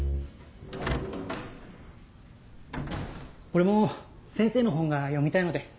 俺も先生の本が読みたいので。